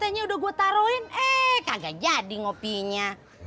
biasanya udah gue taruhin eh kagak jadi ngopinya